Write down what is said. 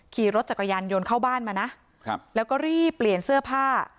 ขี่รถจักรยานยนต์เข้าบ้านมานะครับแล้วก็รีบเปลี่ยนเสื้อผ้า